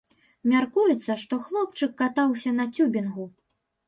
Мяркуецца, што хлопчык катаўся на цюбінгу.